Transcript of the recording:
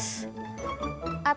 atau enggak ekra